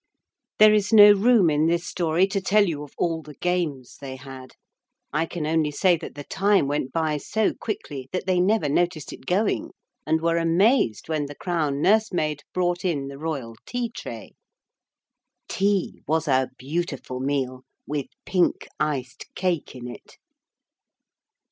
There is no room in this story to tell you of all the games they had. I can only say that the time went by so quickly that they never noticed it going, and were amazed when the Crown nursemaid brought in the royal tea tray. Tea was a beautiful meal with pink iced cake in it.